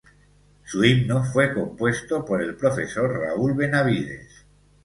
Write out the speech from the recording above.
Su himno fue compuesto por el profesor Raúl Benavides.